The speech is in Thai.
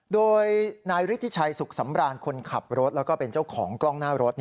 โดยนายฤทธิชัยสุขสำรานคนขับรถแล้วก็เป็นเจ้าของกล้องหน้ารถ